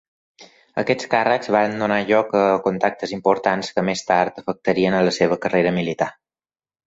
Aquests càrrecs van donar lloc a contactes importants que més tard afectarien a la seva carrera militar.